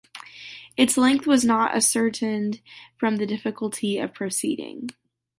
Its length was not ascertained from the difficulty of proceeding.